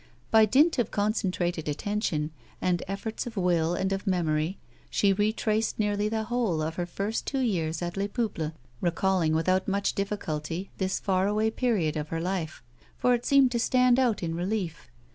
By dint of concentrated attention, and efforts of will and of memory, she retraced nearly the whole of her first two years at Les Peuples, recalling without much difliculty this far away period of her life, for it seemed to stand out in relief.